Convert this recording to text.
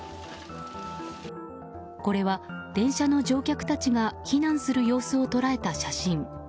これは電車の乗客たちが避難する様子を捉えた写真。